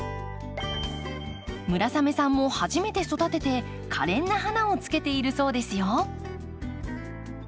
村雨さんも初めて育ててかれんな花をつけているそうですよ。